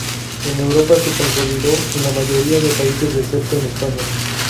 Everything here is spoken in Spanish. En Europa se consolidó en la mayoría de países, excepto en España.